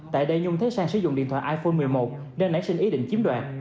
tại đây nhung thấy sang sử dụng điện thoại iphone một mươi một nên nảy sinh ý định chiếm đoạt